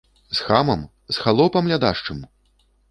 З хамам, з халопам лядашчым?!